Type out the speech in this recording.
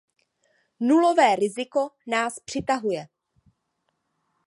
Nulové riziko nás přitahuje.